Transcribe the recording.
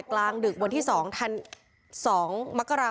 พ่อหยิบมีดมาขู่จะทำร้ายแม่